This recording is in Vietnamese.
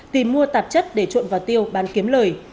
tìm mua tạp chất để trộn vào tiêu bán kiếm lời